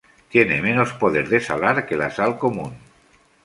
Tiene menos poder de salar que la sal común.